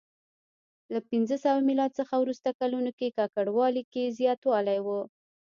له پنځه سوه میلاد څخه وروسته کلونو کې ککړوالي کې زیاتوالی و